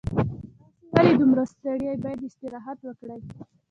تاسو ولې دومره ستړي یې باید استراحت وکړئ